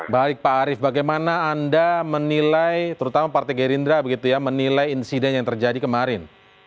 baik pak arief bagaimana anda menilai terutama partai gerindra begitu ya menilai insiden yang terjadi kemarin